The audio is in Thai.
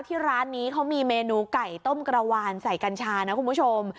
ที่ร้านนี้เขามีเมนูไก่ต้มกระวานใส่กัญชานะคุณผู้ชม